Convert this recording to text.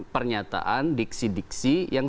pernyataan diksi diksi yang